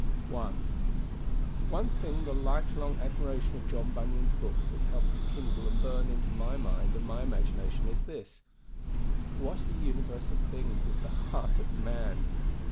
1. One thing the life long admiration of John Bunyan's books has helped to kindle and burn into my mind and my imagination is this: What a universe of things is the heart of man!